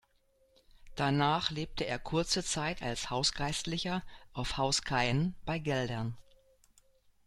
Danach lebte er kurze Zeit als Hausgeistlicher auf Haus Caen bei Geldern.